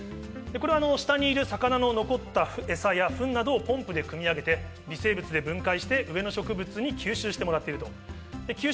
下にいる魚の残ったエサやフンなどをポンプでくみあげて、微生物で分解して上の植物に吸収してもらっている。